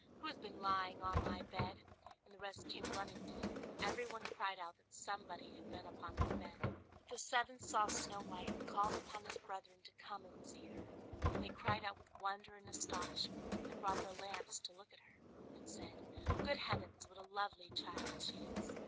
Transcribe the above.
"Who has been lying on my bed?" And the rest came running to him, and every one cried out that somebody had been upon his bed. But the seventh saw Snow White, and called upon his brethren to come and see her; and they cried out with wonder and astonishment, and brought their lamps to look at her, and said, "Good heavens! What a lovely child she is!"